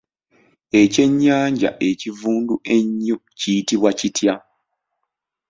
Ekyennyanja ekivundu ennyo kiyitibwa kitya?